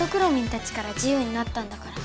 たちから自ゆうになったんだから。